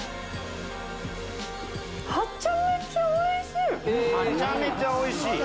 はちゃめちゃおいしい！